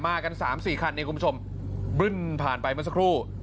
กันสามสี่คันนี้คุณผู้ชมบรึ้นผ่านไปเมื่อสักครู่